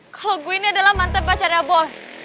kalo gua ini adalah mantan pacarnya boy